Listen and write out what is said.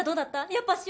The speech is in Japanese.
やっぱ塩？